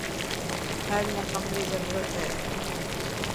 ٿر ۾ ڪم ري ضرورت هي.